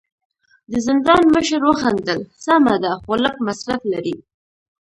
د زندان مشر وخندل: سمه ده، خو لږ مصرف لري.